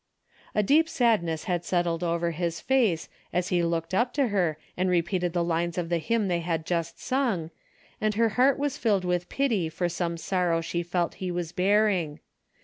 A deep sadness had settled over his face, as he looked up to her and repeated the lines of the hymn they had just sung, and her heart was filled with pity for some sorrow she felt he was bearing.